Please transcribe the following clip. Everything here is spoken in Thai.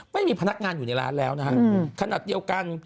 ไม่มีพนักงานอยู่ในร้านแล้วนะฮะขนาดเดียวกัน